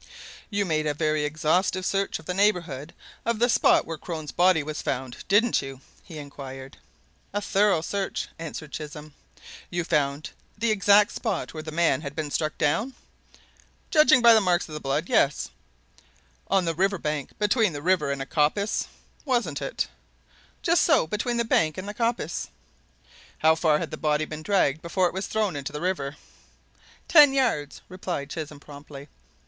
"You made a very exhaustive search of the neighbourhood of the spot where Crone's body was found, didn't you?" he inquired. "A thorough search," answered Chisholm. "You found the exact spot where the man had been struck down?" "Judging by the marks of blood yes." "On the river bank between the river and a coppice, wasn't it?" "Just so between the bank and the coppice." "How far had the body been dragged before it was thrown into the river?" "Ten yards," replied Chisholm promptly.